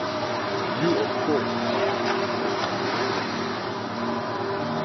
You, of course,’ said Mr. Tupman.